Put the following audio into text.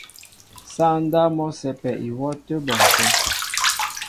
Sááŋ ndáp mɔ́ a sɛ́pɛ ihwɔ́ a tə́ bɔnkɛ́.